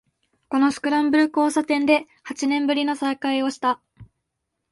このスクランブル交差点で八年ぶりの再会をした